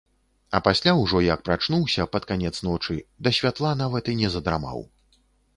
А пасля ўжо, як прачнуўся пад канец ночы, да святла нават і не задрамаў.